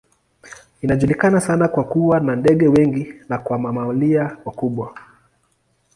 Inajulikana sana kwa kuwa na ndege wengi na kwa mamalia wakubwa.